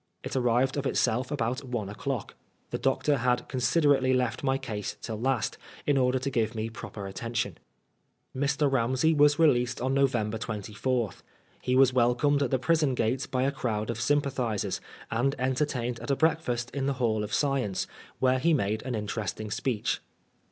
It arrived of itself about one o'clock. The doctor had considerately left my case till last, in order to give me proper atten tion. Mr. Ramsey was released on November 24. He ws^^ welcomed at the prison gates by a crowd of sympa thisers, and entertained at a brei^ast in the Hall of Science, where he made an interesting speech.